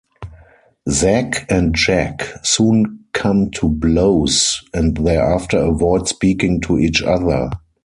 Zack and Jack soon come to blows and thereafter avoid speaking to each other.